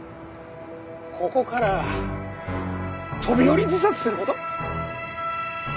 ここから飛び降り自殺する事。